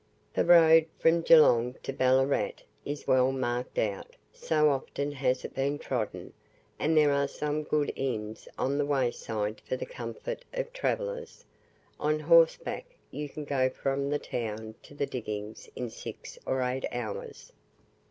The road from Geelong to Ballarat is well marked out, so often has it been trodden; and there are some good inns on the way side for the comfort of travellers. On horseback you can go from the town to the diggings in six or eight hours.